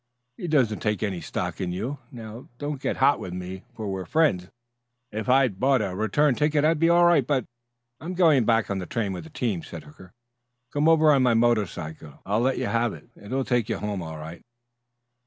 He doesn't take any stock in you. Now don't get hot with me, for we're friends. If I'd bought a return ticket I'd be all right, but " "I'm going back on the train with the team," said Hooker. "Came over on my motorcycle. I'll let you have that. It will take you home all right."